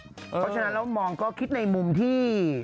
เพราะฉะนั้นแล้วมองก็คิดในมุมที่